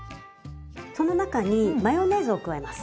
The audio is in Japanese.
その中にマヨネーズを加えます。